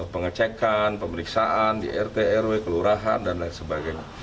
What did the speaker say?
pengecekan pemeriksaan di rt rw kelurahan dan lain sebagainya